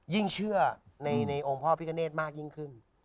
ยิ่งเชื่อในองค์พ่อพิกเนธมากยิ่งขึ้น